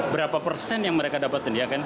berapa persen yang mereka dapatkan ya kan